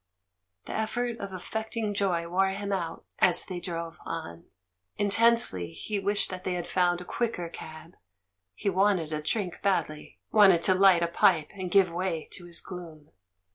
The effort of affecting joy wore him out as they drove on. Intensely he wished that they had found a quicker cab ; he wanted a drink bad ly, wanted to light a pipe and give way to his gloom.